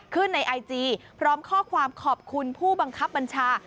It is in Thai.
ในไอจีพร้อมข้อความขอบคุณผู้บังคับบัญชา